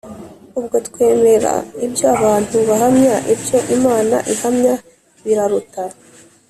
Ubwo twemera ibyo abantu bahamya, ibyo Imana ihamya biraruta;